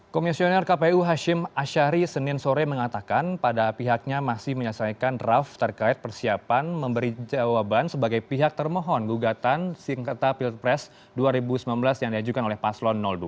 komisioner kpu hashim ashari senin sore mengatakan pada pihaknya masih menyelesaikan draft terkait persiapan memberi jawaban sebagai pihak termohon gugatan singkatta pilpres dua ribu sembilan belas yang diajukan oleh paslon dua